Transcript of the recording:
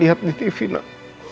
lihat di tv nak